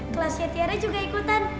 kelasnya tiara juga ikutan